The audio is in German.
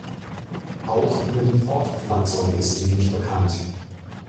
Auch über die Fortpflanzung ist wenig bekannt.